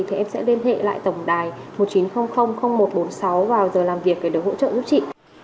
thì em sẽ liên hệ lại tổng đài một nghìn chín trăm linh một trăm bốn mươi sáu vào giờ làm việc để được hỗ trợ giúp chị